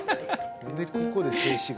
なんでここで静止画？